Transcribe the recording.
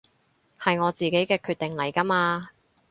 係我自己嘅決定嚟㗎嘛